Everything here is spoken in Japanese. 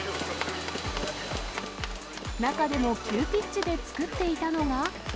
中でも急ピッチで作っていたのは。